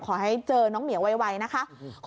ขอให้เจอน้องเหมียวไวนะคะ